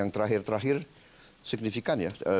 terakhir terakhir signifikan ya